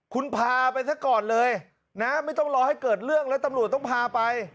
คุณพาไปซะก่อนเลยนะไม่ต้องรอให้เกิดเรื่องแล้วตำรวจต้องพาไป